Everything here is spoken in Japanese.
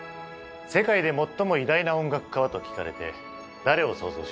「世界で最も偉大な音楽家は？」と聞かれて誰を想像しますか？